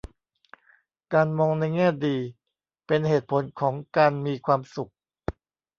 การมองในแง่ดีเป็นเหตุผลของการมีความสุข